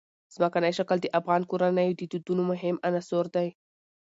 ځمکنی شکل د افغان کورنیو د دودونو مهم عنصر دی.